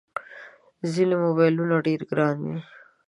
ځینې موبایلونه ډېر ګران وي.